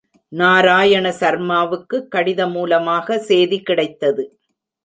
நாராயண சர்மாவுக்குக் கடிதமூலமாக சேதிகிடைத்தது.